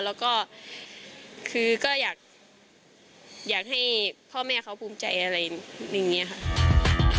แล้วก็คือก็อยากให้พ่อแม่เขาภูมิใจอะไรอย่างนี้ค่ะ